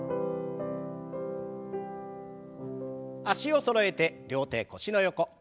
脚をそろえて両手腰の横。